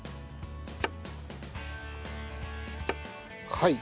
はい。